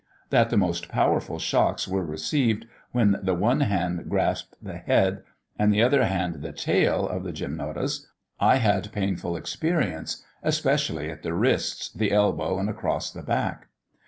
That the most powerful shocks were received when the one hand grasped the head, and the other hand the tail of the gymnotus, I had painful experience, especially at the wrists, the elbow, and across the back.